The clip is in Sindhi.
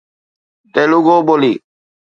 تيلوگو ٻولي